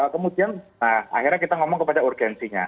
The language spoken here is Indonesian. kemudian akhirnya kita ngomong kepada urgensinya